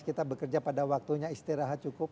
kita bekerja pada waktunya istirahat cukup